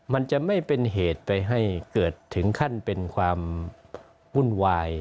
มันจะไม่เป็นเหตุไปให้เกิดถึงขั้นเป็นความวุ่นวาย